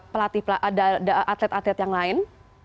pelatih ada atlet atlet yang lain